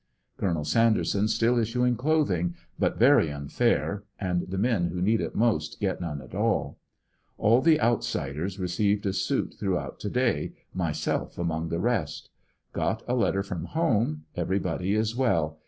Col. Sanderson still issuing clothing, but very unfair, and the men who need it most ^et none at all. All the outsiders received a suit throughout to day. myself among the rest. Got a 20 AJSDERSON VILLE DIAB7. letter from home, everybody is well.